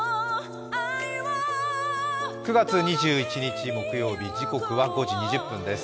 ９月２１日木曜日、時刻は５時２０分です。